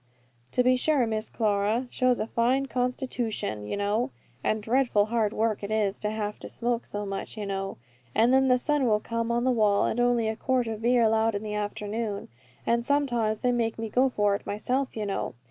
"To be sure, Miss Clara. Shows a fine constitooshun, you know. And dreadful hard work it is to have to smoke so much, you know. And then the sun will come on the wall, and only a quart of beer allowed all the afternoon. And sometimes they makes me go for it myself, you know!